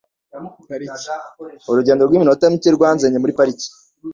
Urugendo rw'iminota mike rwanzanye muri parike.